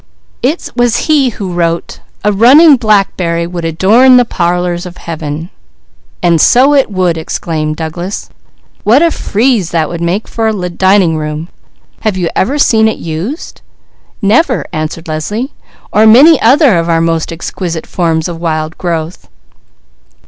"It was he who wrote, 'A running blackberry would adorn the parlours of Heaven.'" "And so it would!" exclaimed Douglas. "What a frieze that would make for a dining room! Have you ever seen it used?" "Never," answered Leslie, "or many other of our most exquisite forms of wild growth."